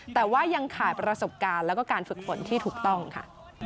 แต่ว่ายังขาดประสบการณ์แล้วก็การฝึกฝนที่ถูกต้องค่ะ